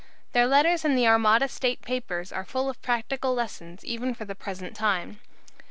Their letters in the Armada State Papers are full of practical lessons even for the present time.